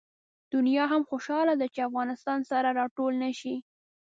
دنیا هم خوشحاله ده چې افغانستان سره راټول نه شي.